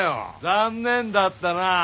残念だったなあ。